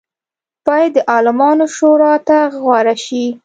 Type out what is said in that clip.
باید د عالمانو شورا ته غوره شي.